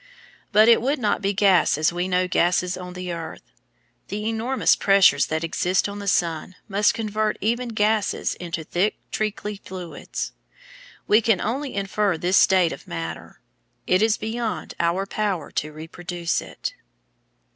But it would not be gas as we know gases on the earth. The enormous pressures that exist on the sun must convert even gases into thick treacly fluids. We can only infer this state of matter. It is beyond our power to reproduce it.